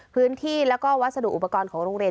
พื้นที่แล้วก็วัสดุอุปกรณ์ของโรงเรียน